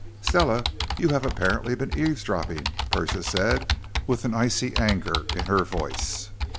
"Stella, you have apparently been eavesdropping!" Persia said with an icy anger in her voice.